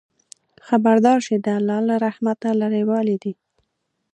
خبردار شئ! د الله له رحمته لرېوالی دی.